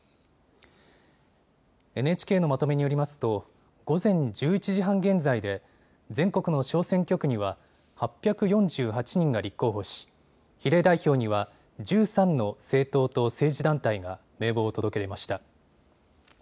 ＮＨＫのまとめによりますと午前１１時半現在で全国の小選挙区には８４８人が立候補し比例代表には１３の政党と政治団体が名簿を届け出ました。